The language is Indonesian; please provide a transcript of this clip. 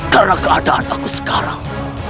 karena keadaan saya sekarang